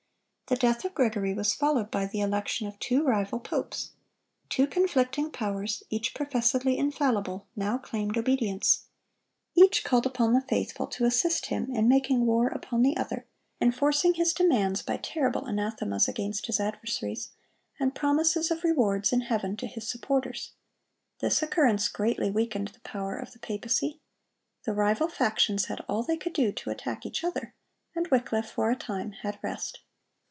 The death of Gregory was followed by the election of two rival popes. Two conflicting powers, each professedly infallible, now claimed obedience.(117) Each called upon the faithful to assist him in making war upon the other, enforcing his demands by terrible anathemas against his adversaries, and promises of rewards in heaven to his supporters. This occurrence greatly weakened the power of the papacy. The rival factions had all they could do to attack each other, and Wycliffe for a time had rest.